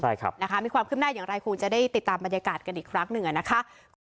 ใช่ครับนะคะมีความขึ้นหน้าอย่างไรคงจะได้ติดตามบรรยากาศกันอีกครั้งหนึ่งนะคะ